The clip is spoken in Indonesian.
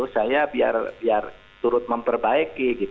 saya biar turut memperbaiki